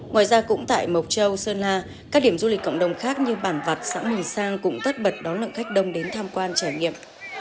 ngoài ra cũng tại mộc châu sơn la các điểm du lịch cộng đồng khác như bản vặt xã mường sang cũng tất bật đón lượng khách đông đến tham quan trải nghiệm